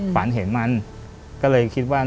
ฝันเห็นมันก็เลยคิดว่า